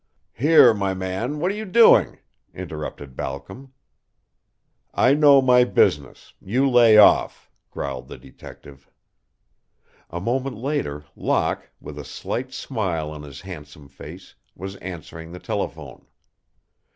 "Here, my man, what are you doing?" interrupted Balcom. "I know my business. You lay off," growled the detective. A moment later Locke, with a slight smile on his handsome face, was answering the telephone.